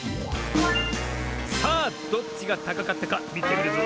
さあどっちがたかかったかみてみるぞ。